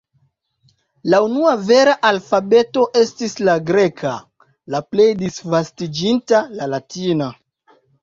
La unua vera alfabeto estis la greka, la plej disvastiĝinta la latina.